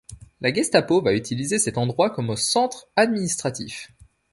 La Gestapo va utiliser cet endroit comme centre administratif.